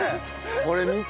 これ見て。